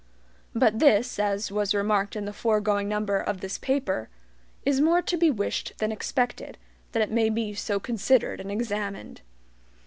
But this (as was remarked in the foregoing number of this paper) is more to be wished than expected, that it may be so considered and examined.